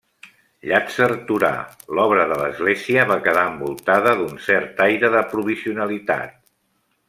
Llàtzer Torà, l'obra de l'església va quedar envoltada d'un cert aire de provisionalitat.